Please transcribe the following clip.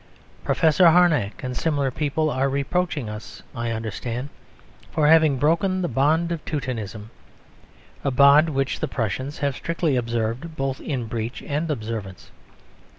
Professor Harnack and similar people are reproaching us, I understand, for having broken "the bond of Teutonism": a bond which the Prussians have strictly observed both in breach and observance.